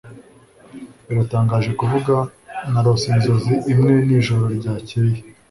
Biratangaje kuvuga narose inzozi imwe nijoro ryakeye